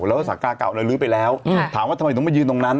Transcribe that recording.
แล้วก็สากาเก่าเราลื้อไปแล้วถามว่าทำไมถึงมายืนตรงนั้น